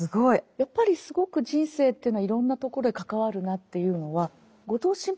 やっぱりすごく人生というのはいろんなとこで関わるなっていうのは後藤新平